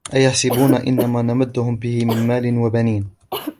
أيحسبون أنما نمدهم به من مال وبنين